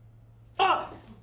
あっ‼